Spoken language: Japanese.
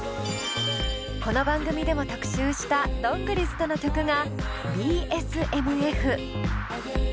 この番組でも特集したどんぐりずとの曲が「Ｂ．Ｓ．Ｍ．Ｆ」。